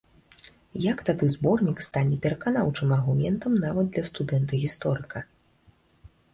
Як тады зборнік стане пераканаўчым аргументам нават для студэнта-гісторыка?